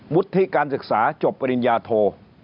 วุฒิการศึกษาจบปริญญาโท